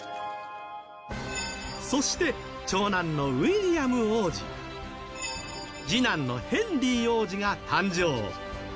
そして、長男のウィリアム王子次男のヘンリー王子が誕生。